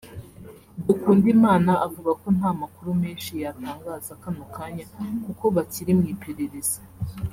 Dukundimana avuga ko nta makuru menshi yatangaza kano kanya kuko bakiri mu iperereza